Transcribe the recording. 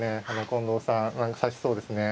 近藤さん指しそうですね。